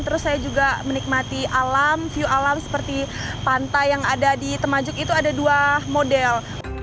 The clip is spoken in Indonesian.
terus saya juga menikmati alam view alam seperti pantai yang ada di temajuk itu ada dua model